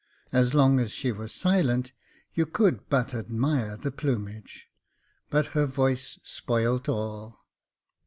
As long as she was silent you could but admire the plumage, but her voice spoilt all.